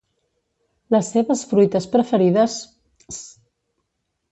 Les seves fruites preferides s